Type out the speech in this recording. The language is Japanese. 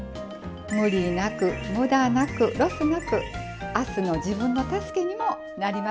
無理なく、むだなく、ロスなくあすの自分の助けにもなりますよ。